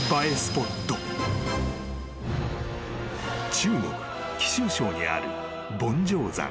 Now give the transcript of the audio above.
［中国貴州省にある］